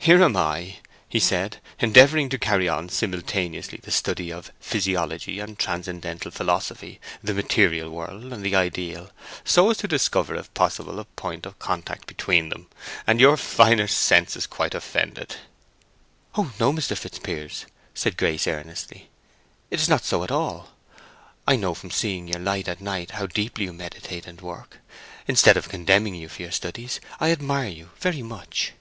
"Here am I," he said, "endeavoring to carry on simultaneously the study of physiology and transcendental philosophy, the material world and the ideal, so as to discover if possible a point of contrast between them; and your finer sense is quite offended!" "Oh no, Mr. Fitzpiers," said Grace, earnestly. "It is not so at all. I know from seeing your light at night how deeply you meditate and work. Instead of condemning you for your studies, I admire you very much!"